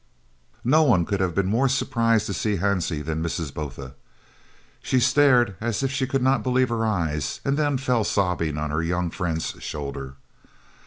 No one could have been more surprised to see Hansie than Mrs. Botha. She stared as if she could not believe her eyes, and then fell sobbing on her young friend's shoulder.